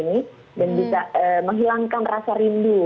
dan bisa menghilangkan rasa rindu